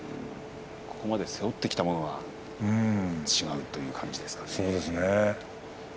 ここまで背負ってきたものが違うということなんですね。